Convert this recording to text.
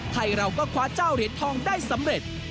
ไทยเราก็คว้าเจ้าเหรียญทองได้สำเร็จ